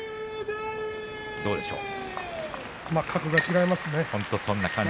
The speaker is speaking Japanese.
どうでしょう。